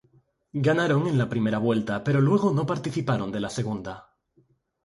Ganaron en primera vuelta pero luego no participaron de la segunda.